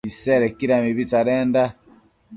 Isedequida mibi tsadenda